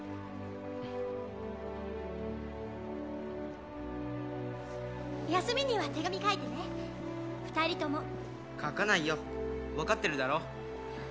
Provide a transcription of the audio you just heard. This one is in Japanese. うん休みには手紙書いてね２人とも書かないよ分かってるだろ？